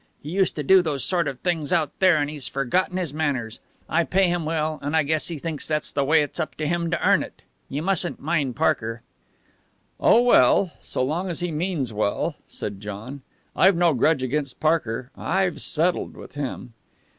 He used to do those sort of things out there, and he's forgotten his manners. I pay him well, and I guess he thinks that's the way it's up to him to earn it. You mustn't mind Parker." "Oh, well! So long as he means well !" said John. "I've no grudge against Parker. I've settled with him."